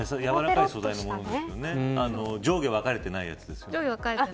やわらかい素材のものですよね上下分かれてないやつ。